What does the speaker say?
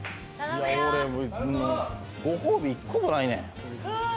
俺、ご褒美１個もないねん。